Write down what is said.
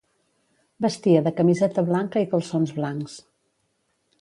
Vestia de camiseta blanca i calçons blancs.